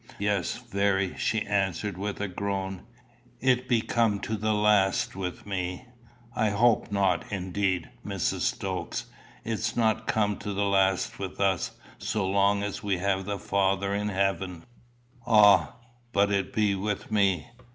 "Yes, very," she answered with a groan. "It be come to the last with me." "I hope not, indeed, Mrs. Stokes. It's not come to the last with us, so long as we have a Father in heaven." "Ah! but it be with me.